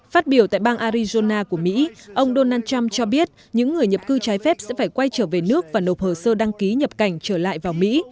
phát biểu tại bang arizona của mỹ ông donald trump cho biết những người nhập cư trái phép sẽ phải quay trở về nước và nộp hồ sơ đăng ký nhập cảnh trở lại vào mỹ